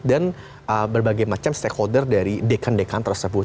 dan berbagai macam stakeholder dari dekan dekan tersebut